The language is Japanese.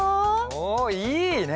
おおいいね！